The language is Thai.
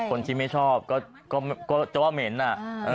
คนที่ไม่ชอบก็จะว่าเหม็นอ่ะ